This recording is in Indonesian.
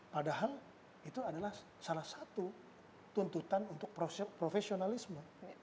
padahal itu adalah salah satu tuntutan untuk profesionalisme